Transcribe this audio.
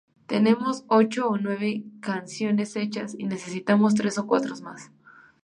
Tenemos ocho o nueve canciones hechas, y necesitamos tres o cuatro más.